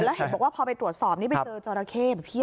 แล้วเห็นบอกว่าพอไปตรวจสอบไปเจอจราเข้หรือเปลี่ยน